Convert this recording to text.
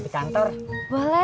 tidak ada yang nambah nay